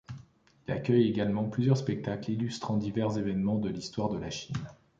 Il accueille également plusieurs spectacles illustrant divers événements de l'histoire de la Chine.